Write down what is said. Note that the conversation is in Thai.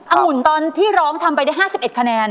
งุ่นตอนที่ร้องทำไปได้๕๑คะแนน